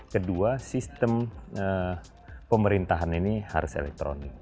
kedua sistem pemerintahan ini harus elektronik